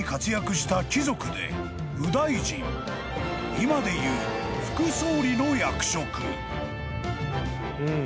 ［今でいう副総理の役職］